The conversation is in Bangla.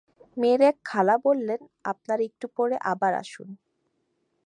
মেয়ের এক খালা বললেন, আপনারা একটু পরে আবার আসুন।